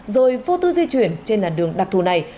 rồi vô tư di chuyển trên làn đường đặc thù này